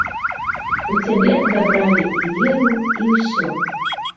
У цябе адабралі і веру, і ўсё.